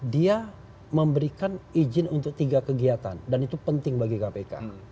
dia memberikan izin untuk tiga kegiatan dan itu penting bagi kpk